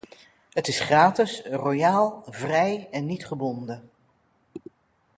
Het is gratis, royaal, vrij en niet gebonden.